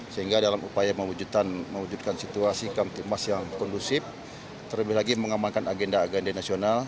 sehingga dalam upaya mewujudkan situasi kamtipmas yang kondusif terlebih lagi mengamankan agenda agenda nasional